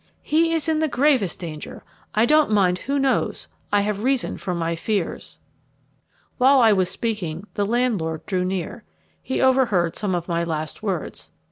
"He is in the gravest danger. I don't mind who knows. I have reason for my fears." While I was speaking the landlord drew near. He overheard some of my last words.